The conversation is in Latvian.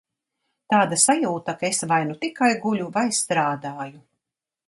Tāda sajūta, ka es vai nu tikai guļu vai strādāju.